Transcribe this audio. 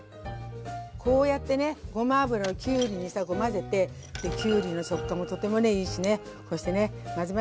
こうやってねごま油をきゅうりにしたらこう混ぜてきゅうりの食感もとてもねいいしねこうしてね混ぜますね。